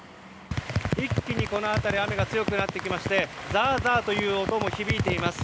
一気にこの辺り雨が強くなってきましてザーザーという音も響いています。